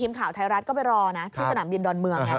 ทีมข่าวไทยรัฐก็ไปรอนะที่สนามบินดอนเมืองไง